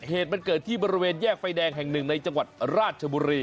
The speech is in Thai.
เหตุมันเกิดที่บริเวณแยกไฟแดงแห่งหนึ่งในจังหวัดราชบุรี